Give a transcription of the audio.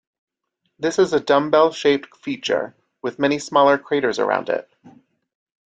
This is a dumbbell-shaped feature, with many smaller craters around it.